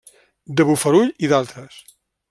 De Bofarull i d'altres.